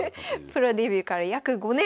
プロデビューから約５年。